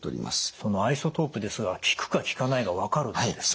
そのアイソトープですが効くか効かないが分かるんですか？